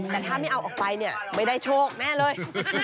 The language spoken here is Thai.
แต่ถ้าไม่เอาออกไปเนี่ยไม่ได้โชคแน่เลย